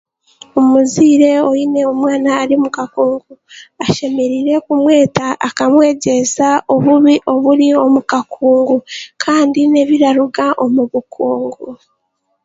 Omuzaire aine omwana ari omu kakungu, ashemeriire kumweta akamwegyeesa obubi oburi omu kakungu, kandi n'ebiraruga omu bukungu